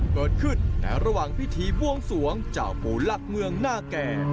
เกิดขึ้นในระหว่างพิธีบวงสวงเจ้าปู่หลักเมืองหน้าแก่